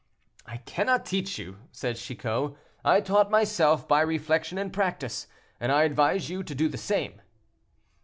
"I cannot teach you," said Chicot. "I taught myself by reflection and practice; and I advise you to do the same."